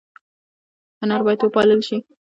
هنر باید وپال ل شي